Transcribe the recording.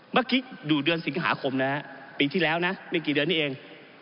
เมื่อกี้ดูเดือนสิงหาคมนะฮะปีที่แล้วนะไม่กี่เดือนนี้เอง